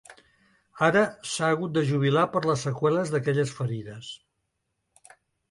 Ara, s’ha hagut de jubilar per les seqüeles d’aquelles ferides.